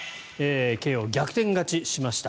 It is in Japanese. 慶応、逆転勝ちしました。